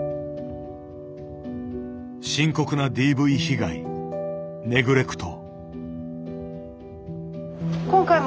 深刻なＤＶ被害ネグレクト。